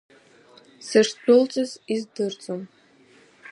Сышдәылҵыз издырӡом.